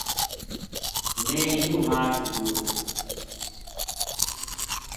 میں یوہ مار چھوڈیو‘‘